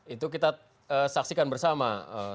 itu kita saksikan bersama